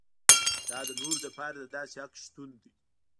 دا د نورو لپاره د داسې حق شتون دی.